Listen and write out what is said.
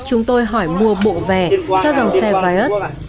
chúng tôi hỏi mua bộ vè cho dòng xe vios